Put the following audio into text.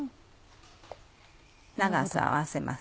長さを合わせます。